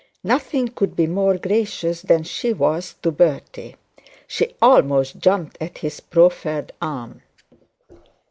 Nothing could be more gracious than she was to Bertie. She almost jumped at his proffered arm.